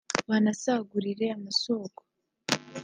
banasagurire amasoko